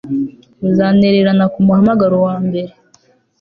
Uzantererana kumuhamagaro wambere